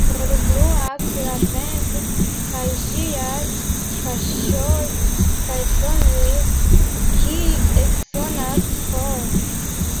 Nur bruas la vento kaj ŝiaj paŝoj, kaj sonorilo, kiu eksonas fore.